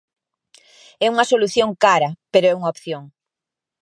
É unha solución cara, pero é unha opción.